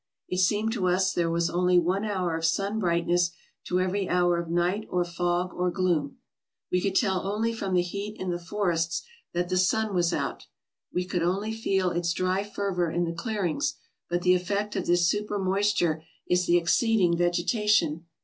It seemed to us there was only one hour of sun brightness to every hour of night or fog or gloom. We could tell only from the heat in the forests that the sun was out. We could only feel its dry fervor in the clearings, but the effect of this super moisture is the exceeding vegetation.